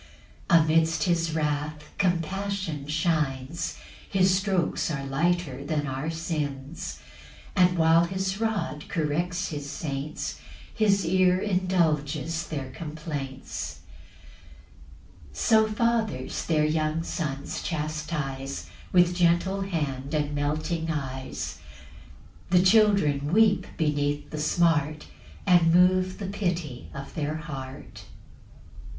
5 Amidst his wrath compassion shines; His strokes are lighter than our sins; And while his rod corrects his saints, His ear indulges their complaints. 6 So fathers their young sons chastise, With gentle hand and melting eyes; The children weep beneath the smart, And move the pity of their heart. PAUSE.